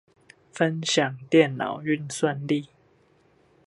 分享電腦運算力